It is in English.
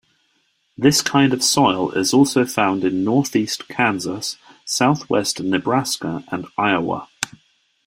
This kind of soil is also found in northeast Kansas, southwest Nebraska, and Iowa.